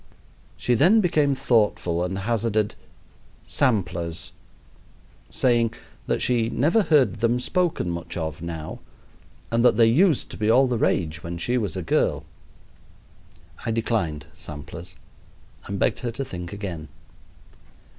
She then became thoughtful and hazarded "samplers;" saying that she never heard them spoken much of now, but that they used to be all the rage when she was a girl. I declined samplers and begged her to think again.